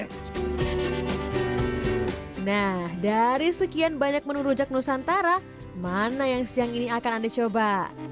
nah dari sekian banyak menu rujak nusantara mana yang siang ini akan anda coba